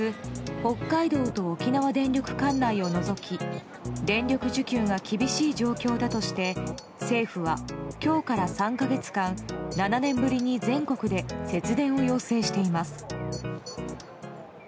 北海道と沖縄電力管内を除き電力需給が厳しい状況だとして政府は今日から３か月間７年ぶりに全国で節電を要請しています。